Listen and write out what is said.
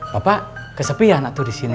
bapak kesepian atau di sini